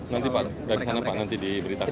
nanti pak dari sana pak nanti diberitakan